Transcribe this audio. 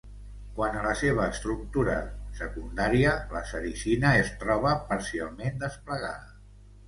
Quant a la seva estructura secundària, la sericina es troba parcialment desplegada.